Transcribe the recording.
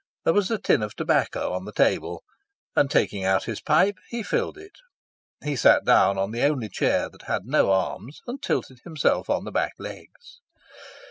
There was a tin of tobacco on the table, and, taking out his pipe, he filled it. He sat down on the only chair that had no arms and tilted himself on the back legs.